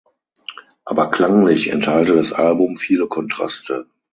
Aber klanglich enthalte das Album viele Kontraste.